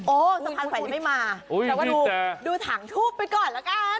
โอ้ยสะพานแขวนไม่มาแต่ว่าดูถังทูบไปก่อนละกัน